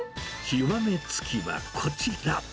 極め付きはこちら。